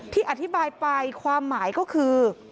อธิบายไปความหมายก็คือ